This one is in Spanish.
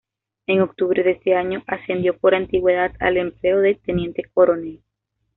En octubre de ese año ascendió por antigüedad al empleo de teniente coronel.